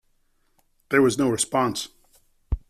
There was no response.